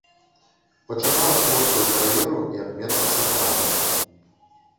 Пачынала творчую кар'еру як мецца-сапрана.